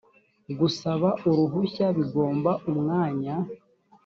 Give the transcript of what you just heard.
gusaba uruhushya bigomba umwanya.